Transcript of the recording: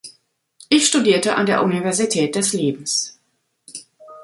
Ich studierte an der Universität des Lebens.